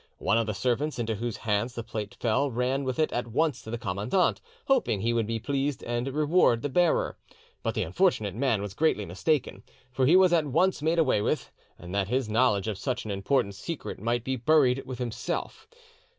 One of the servants into whose hands the plate fell ran with it at once to the commandant, hoping he would be pleased and reward the bearer; but the unfortunate man was greatly mistaken, for he was at once made away with, that his knowledge of such an important secret might be buried with himself.